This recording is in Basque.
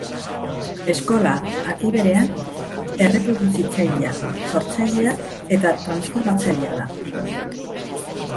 Eskola, aldi berean erreproduzitzailea, sortzailea eta transformatzailea da.